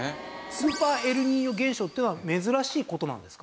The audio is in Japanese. スーパーエルニーニョ現象ってのは珍しい事なんですか？